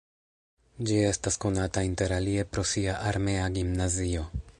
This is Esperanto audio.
Ĝi estas konata interalie pro sia armea gimnazio.